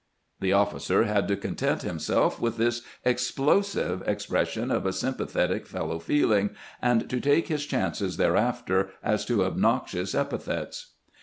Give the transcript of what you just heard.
The officer had to content himself with this ex plosive expression of a sympathetic fellow feeling, and to take his chances thereafter as to obnoxious epithets.